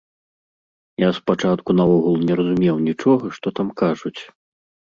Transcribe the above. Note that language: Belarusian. Я спачатку наогул не разумеў нічога, што там кажуць!